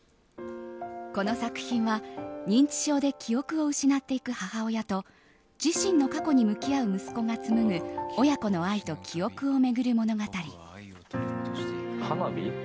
この作品は認知症で記憶を失っていく母親と自身の過去に向き合う息子が紡ぐ親子の愛と記憶を巡る物語。